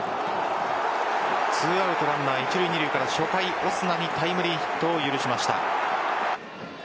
２アウトランナー一塁・二塁から初回オスナにタイムリーヒットを許しました。